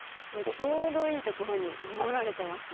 ちょうどいいところに守られてますね。